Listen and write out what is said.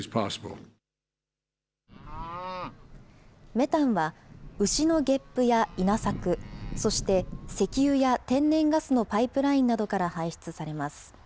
メタンは、牛のげっぷや稲作、そして石油や天然ガスのパイプラインなどから排出されます。